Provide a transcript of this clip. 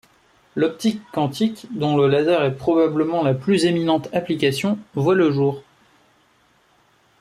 L'optique quantique, dont le laser est probablement la plus éminente application, voit le jour.